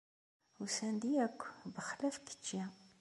Ussan-d akk, bexlaf kečči